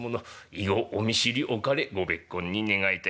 以後お見知りおかれご別懇に願えて。